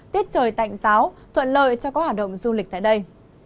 tiết trời tạnh giáo thuận lợi cho các hoạt động du lịch tại đây